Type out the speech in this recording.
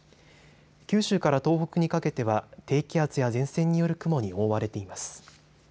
九州から東北にかけては低気圧や前線による雲に覆われています。